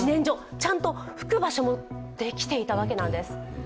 ちゃくと吹く場所もできていたわけなんです。